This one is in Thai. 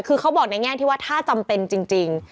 คือเขาบอกในแง่ที่ว่าถ้าจำเป็นจริง